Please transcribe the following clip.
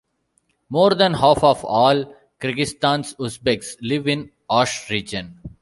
More than half of all Kyrgyzstan's Uzbeks live in Osh Region.